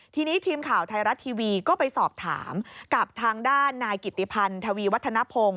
ทีนี้ทีมข่าวไทยรัฐทีวีก็ไปสอบถามกับทางด้านนายกิติพันธวีวัฒนภง